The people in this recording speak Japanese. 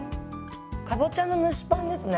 かぼちゃの蒸しパンですね。